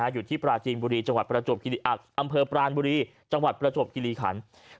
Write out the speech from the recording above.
อยู่ที่ปราจีนบุรีอัมเภอปรานบุรีจังหวัดประจบกิริขันศ์